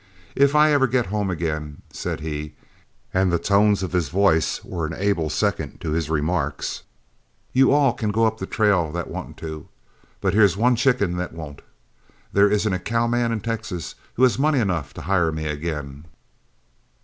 "If ever I get home again," said he, and the tones of his voice were an able second to his remarks, "you all can go up the trail that want to, but here's one chicken that won't. There isn't a cowman in Texas who has money enough to hire me again."